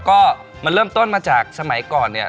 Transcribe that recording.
ก็มันเริ่มต้นมาจากสมัยก่อนเนี่ย